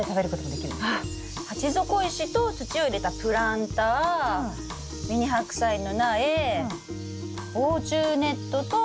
鉢底石と土を入れたプランターミニハクサイの苗防虫ネットと麻ひも支柱。